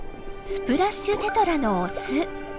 スプラッシュテトラのオス。